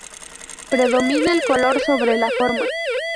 Predomina el color sobre la forma.